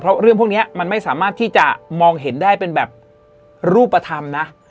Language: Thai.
เพราะเรื่องพวกนี้มันไม่สามารถที่จะมองเห็นได้เป็นแบบรูปธรรมนะ